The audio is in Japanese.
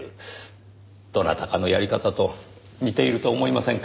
どなたかのやり方と似ていると思いませんか？